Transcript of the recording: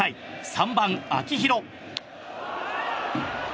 ３番、秋広。